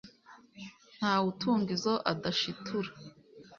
ntawe utunga izo adashitura